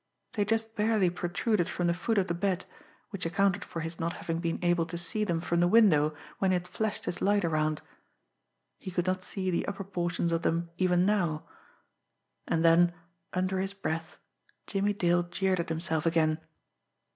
They just barely protruded from the foot of the bed, which accounted for his not having been able to see them from the window when he had flashed his light around he could not see the upper portions of them even now. And then, under his breath, Jimmie Dale jeered at himself again.